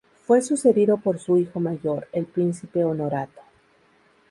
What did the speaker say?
Fue sucedido por su hijo mayor, el Príncipe Honorato.